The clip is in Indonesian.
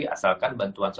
asalkan bantuan sosial